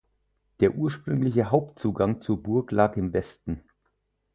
Der ursprüngliche Hauptzugang zur Burg lag im Westen.